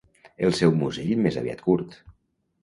El seu musell més aviat curt.